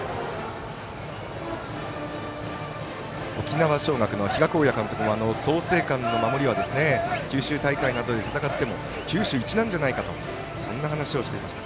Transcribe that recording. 沖縄尚学の比嘉公也監督も創成館の守りは九州大会などで戦っても九州一なんじゃないかとそんな話をしていました。